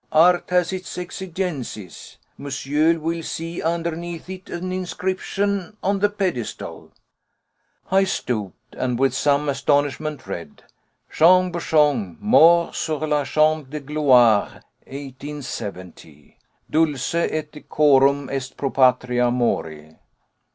Art has its exigencies. Monsieur will see underneath is an inscription on the pedestal." I stooped, and with some astonishment read "JEAN BOUCHON MORT SUR LE CHAMP DE GLOIRE 1870 DULCE ET DECORUM EST PRO PATRIA MORI."